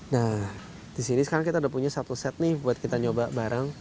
nah di sini sekarang kita udah punya satu set nih buat kita nyoba bareng